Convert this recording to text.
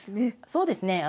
そうですね。